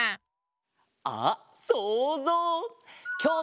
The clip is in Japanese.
あっそうぞう！